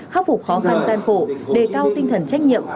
khắc phục khó khăn gian khổ đề cao tinh thần trách nhiệm